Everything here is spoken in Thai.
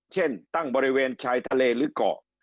เช่นตั้งบริเวณชายทะเลหรือเกาะ